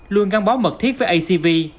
luôn gắn bó mật thiết với acv